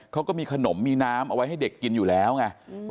เขาก็มีขนมมีน้ำเอาไว้ให้เด็กกินอยู่แล้วไง